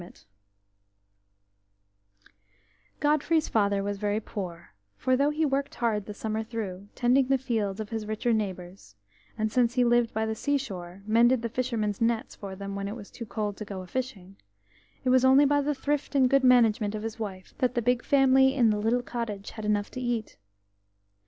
ODFREY'S father was very poor, for though he worked hard the summer through, tending the fields of his richer neighbours, and, since he lived by the seashore, mended the fishermen's nets for them when it was too cold to go a fishing, it was only by the thrift and good management of his wife that the big family in the little cottage had enough to eat.